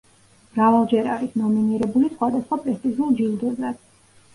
მრავალჯერ არის ნომინირებული სხვადასხვა პრესტიჟულ ჯილდოზე.